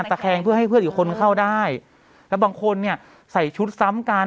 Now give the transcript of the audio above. ตะแคงเพื่อให้เพื่อนอีกคนเข้าได้แล้วบางคนเนี่ยใส่ชุดซ้ำกัน